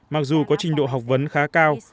mặc dù có trình độ học vấn khá cao